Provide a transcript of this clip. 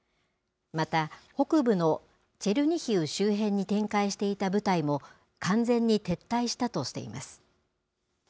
また、北部のチェルニヒウ周辺に展開していた部隊も、完全に撤退したとしています。